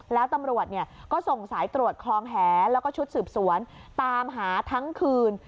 แล้วตำรวจก็ส่งสายตรวจคลองแหแล้วก็ชุดสืบสวนตามหาทั้งคืน